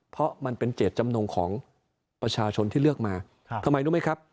เพราะมันเป็นเจตจำนงของประชาชนที่เลือกมา